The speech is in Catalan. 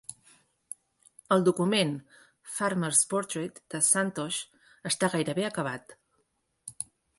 El document "Farmers Portrait", de Santosh, està gairebé acabat.